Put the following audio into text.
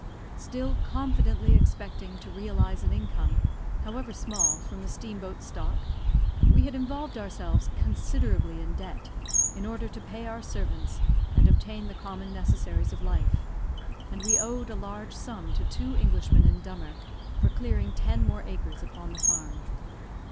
Still confidently expecting to realise an income, however small, from the steam boat stock, we had involved ourselves considerably in debt, in order to pay our servants and obtain the common necessaries of life; and we owed a large sum to two Englishmen in Dummer, for clearing ten more acres upon the farm.